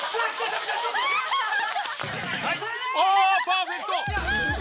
パーフェクト！